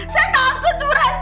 saya takut buranti